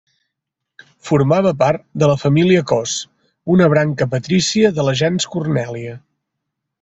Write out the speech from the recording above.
Formava part de la família Cos, una branca patrícia de la gens Cornèlia.